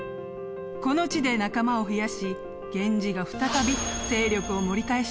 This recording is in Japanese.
この地で仲間を増やし源氏が再び勢力を盛り返していくんです。